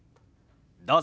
どうぞ。